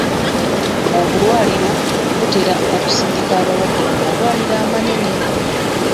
Obulwaliro butera okusindika abalwadde mu malwaliro amanene.